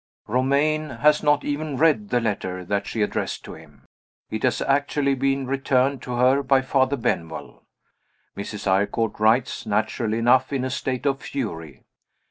Romayne has not even read the letter that she addressed to him it has actually been returned to her by Father Benwell. Mrs. Eyrecourt writes, naturally enough, in a state of fury.